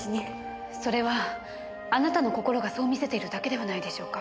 それはあなたの心がそう見せているだけではないでしょうか。